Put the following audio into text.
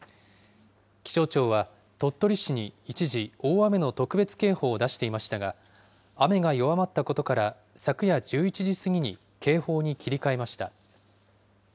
気象庁は、鳥取市に一時、大雨の特別警報を出していましたが、雨が弱まったことから、昨夜１１時過ぎに警報に切り替えました。